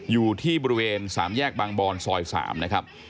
อยู่ที่บริเวณ๓แยกบางบอนซอย๓นะครับ